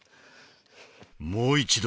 もう一度。